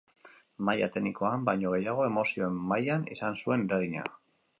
Maila teknikoan baino gehiago, emozioen mailan izan zuen eragina.